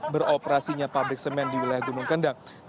beroperasinya pabrik semen di wilayah gunung kendang